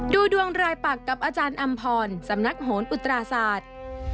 ดูดวงรายปักกับอาจารย์อำพรสำนักโหนอุตราศาสตร์